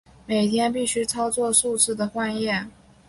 每天必须操作数次的换液。